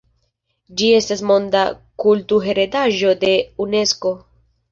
Ĝi estas Monda Kulturheredaĵo de Unesko.